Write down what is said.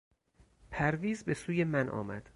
پرویز به سوی من آمد.